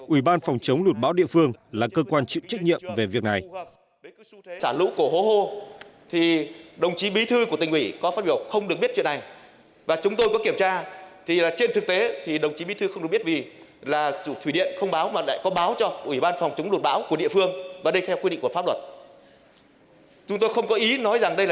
ủy ban phòng chống lụt báo địa phương là cơ quan chịu trách nhiệm về việc này